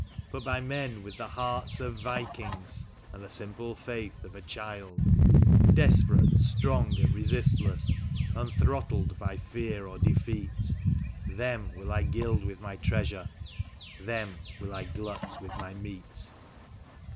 But by men with the hearts of vikings, and the simple faith of a child; Desperate, strong and resistless, unthrottled by fear or defeat. Them will I gild with my treasure, them will I glut with my meat.